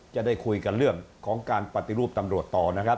จะได้คุยกันเรื่องของการปฏิรูปตำรวจต่อนะครับ